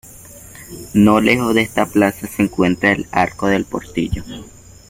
No lejos de esta plaza se encuentra el arco del Portillo.